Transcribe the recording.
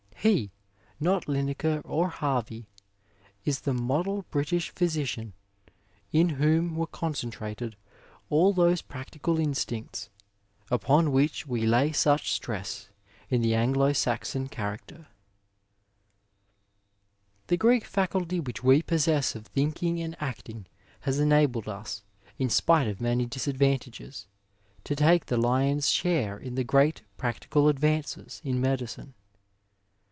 He, not I<inacre or Harvey, is the model British physician in whom were concentrated all those practical instincts upon which we lay such stress in the Anglo Saxon character. 178 r T Digitized by VjOOQiC BRITISH MEDICINE IN GREATER BRITAIN The Greek faculty which we possess of thinking and acting has enabled ns, in spite of many disadvantages, to take the lion's share in the great practical advances in medicine.